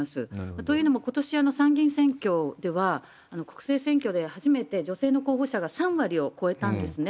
というのも、ことし参議院選挙では、国政選挙で初めて女性の候補者が３割を超えたんですね。